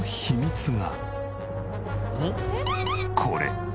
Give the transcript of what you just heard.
これ。